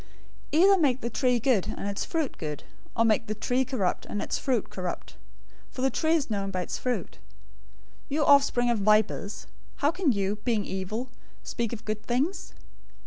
012:033 "Either make the tree good, and its fruit good, or make the tree corrupt, and its fruit corrupt; for the tree is known by its fruit. 012:034 You offspring of vipers, how can you, being evil, speak good things?